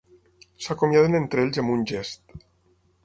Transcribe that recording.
S'acomiaden entre ells amb un gest.